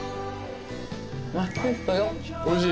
おいしい？